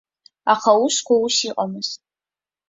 Аха аусқәа ус иҟамызт.